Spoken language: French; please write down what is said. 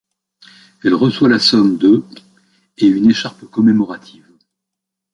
Elle reçoit la somme de et une écharpe commémorative.